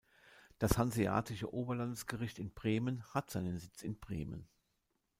Das Hanseatische Oberlandesgericht in Bremen hat seinen Sitz in Bremen.